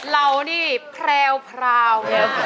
เรานี่แพรวพราว